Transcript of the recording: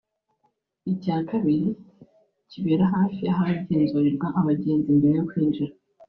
icya kabiri kibera hafi y’ahagenzurirwa abagenzi mbere yo kwinjira